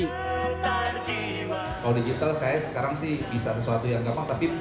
kalau digital kayaknya sekarang sih bisa sesuatu yang enggak apa apa